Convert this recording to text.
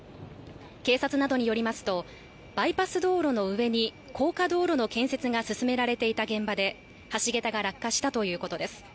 警察などによりますと、バイパス道路の上に高架道路の建設が進められていた現場で橋げたが落下したということです。